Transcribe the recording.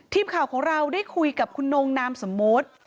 ทีมข่าวของเราได้คุยกับคุณนงนามสมมุติ